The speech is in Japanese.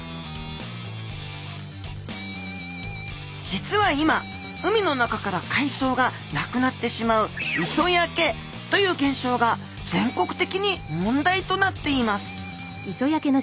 実は今海の中から海藻がなくなってしまう磯焼けという現象が全国的に問題となっています